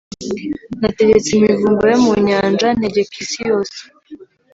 nategetse imivumba yo mu nyanja, ntegeka isi yose